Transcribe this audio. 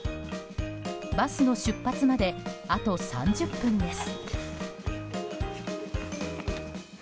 バスの出発まであと３０分です。